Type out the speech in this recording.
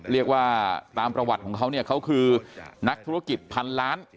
เรียกว่าตามประวัติของเขาเนี่ยเขาคือนักธุรกิจพันล้าน